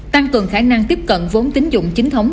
tăng cường khả năng tiếp cận vốn tính dụng chính thống